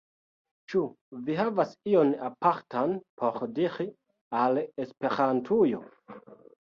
Ĉu vi havas ion apartan por diri al Esperantujo?